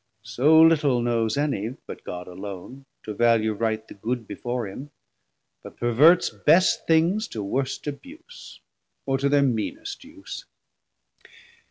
So little knows Any, but God alone, to value right The good before him, but perverts best things To worst abuse, or to thir meanest use.